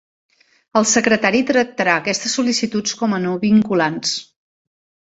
El Secretari tractarà aquestes sol·licituds com a no vinculants.